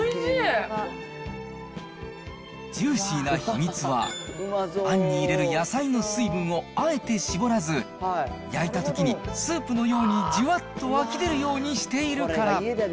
ジューシーな秘密は、あんに入れる野菜の水分をあえて絞らず、焼いたときにスープのようにじゅわっと湧き出るようにしているから。